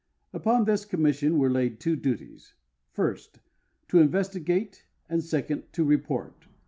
Upon this commission were laid two duties : first, to investigate, and second, to report.